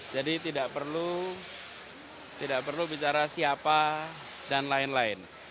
jadi tidak perlu bicara siapa dan lain lain